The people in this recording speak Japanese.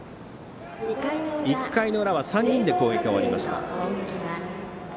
１回の裏は、３人で攻撃終わりました。